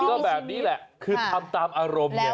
เด็กก็แบบนี้แหละคือทำตามอารมณ์